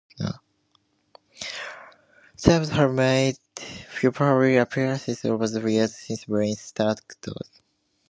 Chaves has made few public appearances over the years since being stalked.